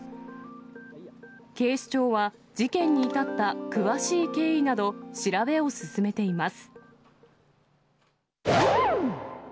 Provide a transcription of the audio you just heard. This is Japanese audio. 警視庁は事件に至った詳しい経緯など調べを進めています。